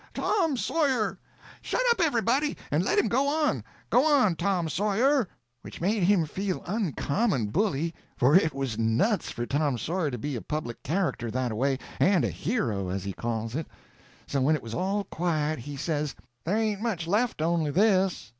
Tom Sawyer! Shut up everybody, and let him go on! Go on, Tom Sawyer!" [Illustration: Which made him feel uncommon bully.] Which made him feel uncommon bully, for it was nuts for Tom Sawyer to be a public character that away, and a hero, as he calls it. So when it was all quiet, he says: "There ain't much left, only this.